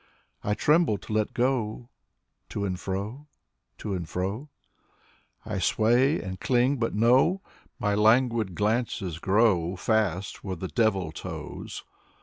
I tremble to let go; To and fro To and fro I sway and cling, but no, My languid glances grow Fast where the devil tows.